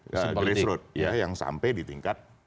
grace road yang sampai di tingkat